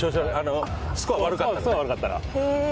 スコア悪かったらね。